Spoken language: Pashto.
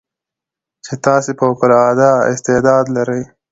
چې تاسې فوق العاده استعداد لرٸ